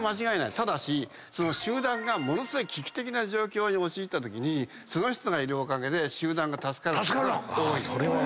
ただし集団がものすごい危機的な状況に陥ったときにその人がいるおかげで集団が助かることが多い。